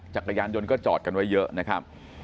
จักรยานยนต์ก็จอดกันไว้เยอะนะครับ